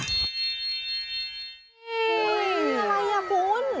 เฮ้ยอะไรอ่ะคุณ